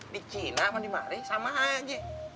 di cina sama di maria sama aja